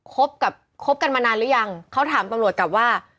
คบกับคบกันมานานหรือยังเขาถามตำรวจกลับว่า